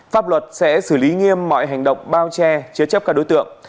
pháp luật sẽ xử lý nghiêm mọi hành động bao che chế chấp các đối tượng